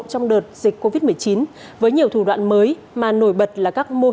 trong đợt dịch covid một mươi chín với nhiều thủ đoạn mới mà nổi bật là các mô